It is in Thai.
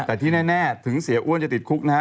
แต่ที่แน่ถึงเสียอ้วนจะติดคุกนะฮะ